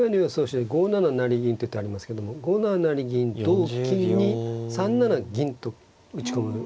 手で５七成銀って手ありますけども５七成銀同金に３七銀と打ち込む。